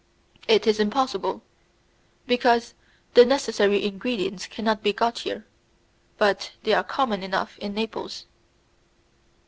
"It is impossible, because the necessary ingredients cannot be got here; but they are common enough in Naples."